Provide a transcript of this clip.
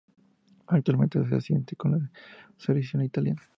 Actualmente es asistente en la selección italiana.